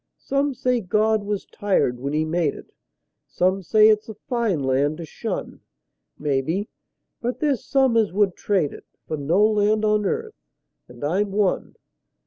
Some say God was tired when He made it; Some say it's a fine land to shun; Maybe; but there's some as would trade it For no land on earth and I'm one.